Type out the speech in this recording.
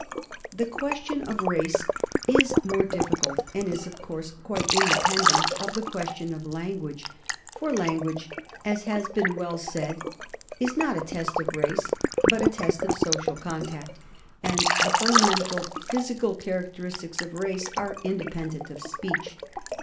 The question of race is more difficult, and is of course quite independent of the question of language, for lan guage, as has been well said, is not a test of race but a test of social contact, and the fundamental physi cal characteristics of race are independent of speech.